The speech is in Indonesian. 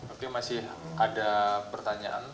oke masih ada pertanyaan